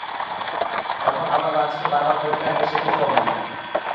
তারপর আবার রাজ-কে বারবার কোর্টে ডাকবে সে কী জবাব দিবে?